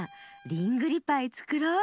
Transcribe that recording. リングリパイつくろう。